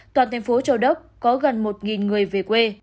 toàn tp châu đốc có gần một người về quê